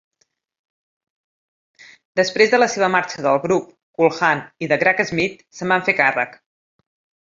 Després de la seva marxa del grup, Cool Hand i The Cracksmith se'n van fer càrrec.